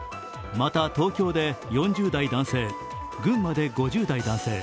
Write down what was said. また、東京で４０代男性、群馬で５０代男性